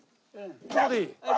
ここでいい？